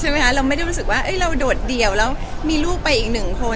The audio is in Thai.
เราไม่ได้รู้สึกว่าเราโดดเดี่ยวแล้วมีลูกไปอีกหนึ่งคน